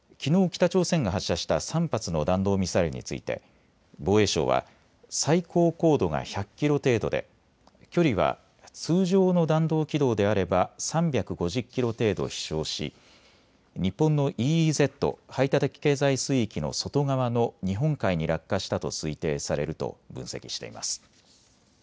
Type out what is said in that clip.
北朝鮮が発射した３発の弾道ミサイルについて防衛省は最高高度が１００キロ程度で距離は通常の弾道軌道であれば３５０キロ程度、飛しょうし日本のＥＥＺ・排他的経済水域の外側の日本海に落下したと推定されると分析しています。